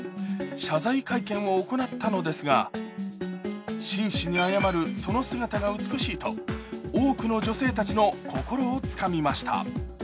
謝罪会見を行ったのですが、真摯に謝るその姿が美しいと多くの女性たちの心をつかみました。